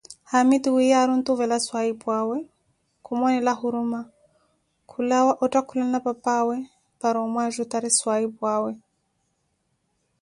Haamitu wiiya ari ontuvela swahipwawe kumoonela huruma, khulanka kulawa ottakhulana papaawe para omwajutari swahipwaawe